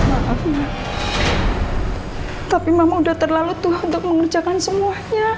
maaf emak tapi emak udah terlalu tua untuk mengerjakan semuanya